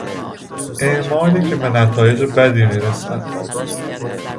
اعمالی که به نتایج بدی میرسد